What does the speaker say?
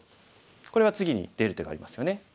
これは次に出る手がありますよね。